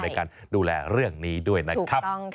ในการดูแลเรื่องนี้ด้วยนะครับ